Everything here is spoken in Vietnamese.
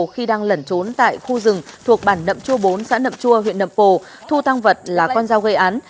khi đang lẩn trốn tại khu rừng thuộc bản nậm chua bốn xã nậm chua huyện nậm pồ thu tăng vật là con dao gây án